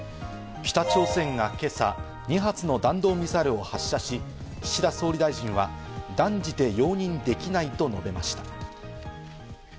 北朝鮮が今朝、２発の弾道ミサイルを発射し、岸田総理大臣は断じて容認できないと述べました。